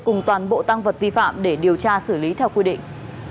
cùng toàn bộ tăng vật vi phạm để điều tra xử lý theo quy định